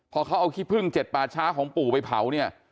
พอเขาเอาขี้พึ่ง๗ป่าช้าของปู่ไปเผาเนี่ย